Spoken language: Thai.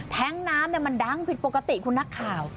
น้ำมันดังผิดปกติคุณนักข่าว